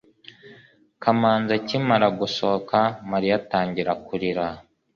kamanzi akimara gusohoka, mariya atangira kurira